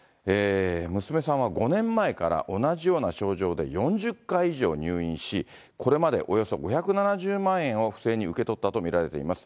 娘さんは５年前から同じような症状で４０回以上入院し、これまでおよそ５７０万円を不正に受け取ったと見られています。